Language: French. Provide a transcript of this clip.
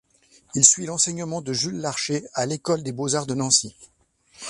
Il suit l'enseignement de Jules Larcher à l’École des beaux-arts de Nancy.